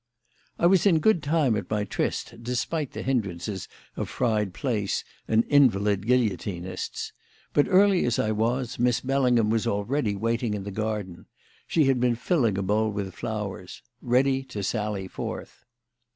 I was in good time at my tryst, despite the hindrances of fried plaice and invalid guillotinists; but, early as I was, Miss Bellingham was already waiting in the garden she had been filling a bowl with flowers ready to sally forth.